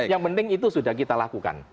yang penting itu sudah kita lakukan